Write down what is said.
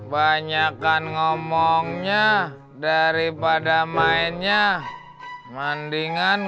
banyakan ngomongnya daripada mainnya mandingan